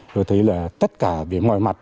tôi thấy là tất cả về ngoài mặt